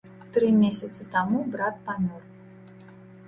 Тры месяцы таму брат памёр.